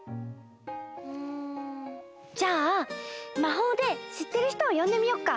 うんじゃあまほうでしってる人をよんでみよっか！